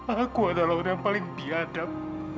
aku adalah orang yang paling biadab